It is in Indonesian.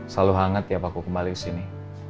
selalu hangat ya bakal kembali kesini